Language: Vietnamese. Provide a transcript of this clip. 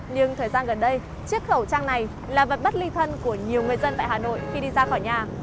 nhưng thời gian gần đây chiếc khẩu trang này là vật bất ly thân của nhiều người dân tại hà nội khi đi ra khỏi nhà